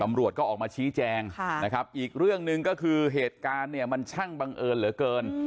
ตำรวจก็ออกมาชี้แจงนะครับอีกเรื่องหนึ่งก็คือเหตุการณ์เนี่ยมันช่างบังเอิญเหลือเกิน